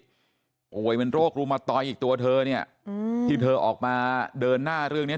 โอ้โหเป็นโรครุมตอยอีกตัวเธอเนี่ยที่เธอออกมาเดินหน้าเรื่องนี้